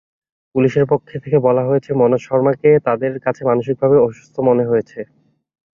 পুলিশের পক্ষ থেকে বলা হয়েছে, মনোজ শর্মাকে তাদের কাছে মানসিকভাবে অসুস্থ মনে হয়েছে।